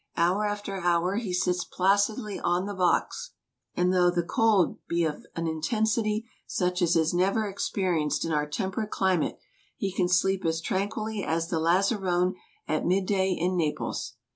Hour after hour he sits placidly on the box, and though the cold be of an intensity such as is never experienced in our tem perate climate, he can sleep as tranquilly as the lazzarone at midday in Naples.